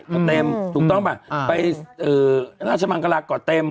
ก็เต็มถูกต้องป่ะไปราชมังกลาเกาะเต็ม